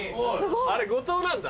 あれ後藤なんだ。